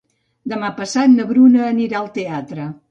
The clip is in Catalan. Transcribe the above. Demà passat na Bruna anirà al teatre.